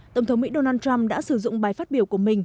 tổng thống mỹ donald trump đã sử dụng bài phát biểu của mình